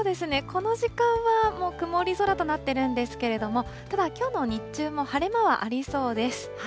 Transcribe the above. この時間は、もう曇り空となっているんですけれども、ただ、きょうの日中も晴れ間はありそうです。